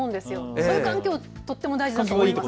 そういう環境とっても大事だと思います。